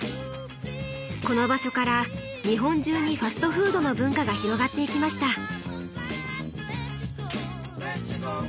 この場所から日本中にファストフードの文化が広がっていきました。